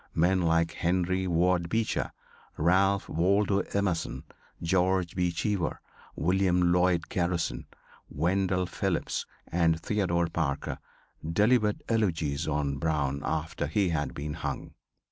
Men like Henry Ward Beecher, Ralph Waldo Emerson, George B. Cheever, William Lloyd Garrison, Wendell Phillips and Theodore Parker, delivered eulogies on Brown after he had been hung.